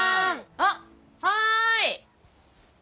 あっはい！